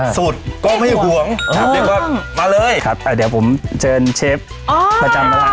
สูตรก็ไม่ห่วงเออมาเลยครับอะเดี๋ยวผมเจออ๋อประจำระหว่างนี้นะครับ